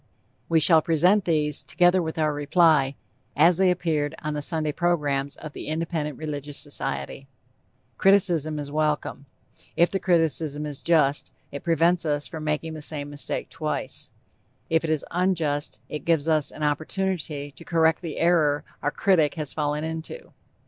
We shall present these together with our reply as they appeared on the Sunday Programs of the Independent Religious Society. Criticism is welcome. If the criticism is just, it prevents us from making the same mistake twice; if it is unjust, it gives us an opportunity to correct the error our critic has fallen into.